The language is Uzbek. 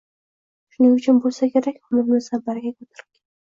Shuning uchun bo‘lsa kerak, umrimizdan baraka ko‘tarilgan...